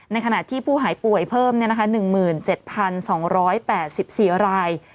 ขณะที่ผู้หายป่วยเพิ่ม๑๗๒๘๔ราย